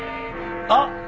あっ！